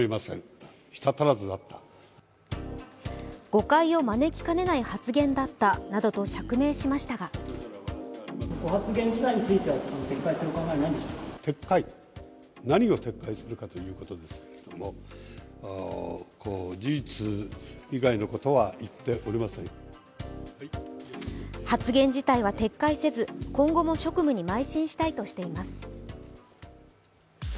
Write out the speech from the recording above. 誤解を招きかねない発言だったなどと釈明しましたが発言自体は撤回せず、今後も職務にまい進したいとしています。